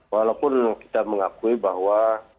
walaupun kita mengakui bahwa